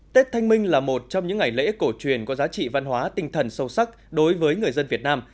tết thanh minh là một trong những ngày lễ cổ truyền có giá trị văn hóa tinh thần sâu sắc đối với người dân việt nam